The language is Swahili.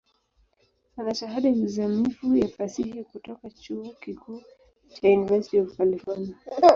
Ana Shahada ya uzamivu ya Fasihi kutoka chuo kikuu cha University of California.